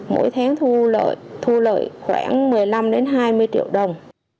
mỗi tháng thu lợi khoảng một mươi năm hai mươi triệu đồng